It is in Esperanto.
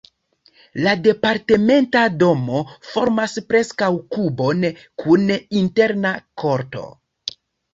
La departementa domo formas preskaŭ kubon kun interna korto.